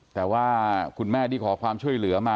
แต่ว่าคุณแม่ที่ขอความช่วยเหลือมา